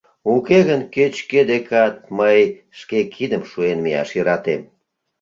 Уке гын кеч-кӧ декат мый шке кидым шуен мияш йӧратем.